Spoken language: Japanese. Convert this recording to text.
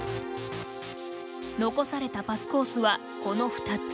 残されたパスコースはこの２つ。